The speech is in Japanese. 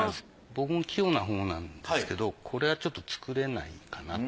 僕も器用なほうなんですけどこれはちょっと作れないかな。